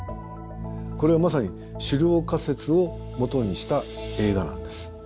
これはまさに狩猟仮説を基にした映画なんです。